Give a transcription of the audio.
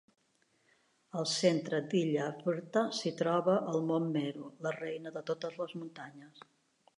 Al centre d'Ila-vrta s'hi troba el mont Meru, la reina de totes les muntanyes.